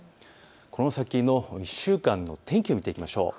この先の１週間の天気を見ていきましょう。